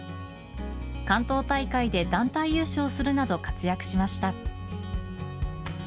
関東大会で団体優勝するなど活躍しました。